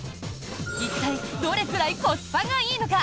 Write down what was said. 一体どれくらいコスパがいいのか？